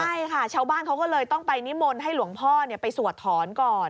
ใช่ค่ะชาวบ้านเขาก็เลยต้องไปนิมนต์ให้หลวงพ่อไปสวดถอนก่อน